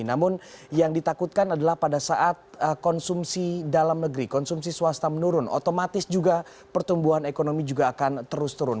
namun yang ditakutkan adalah pada saat konsumsi dalam negeri konsumsi swasta menurun otomatis juga pertumbuhan ekonomi juga akan terus turun